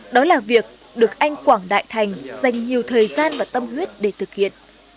đó là việc được anh quảng đại thành dành nhiều thời gian và tâm huyết để thực hiện